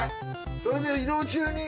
それで移動中に。